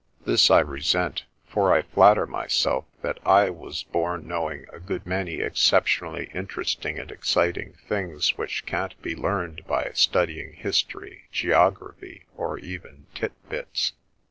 This I resent, for I flatter myself that I was bom knowing a good many exceptionally interesting and exciting things which can't bie learned by studying history, geography, or even Tit Bits.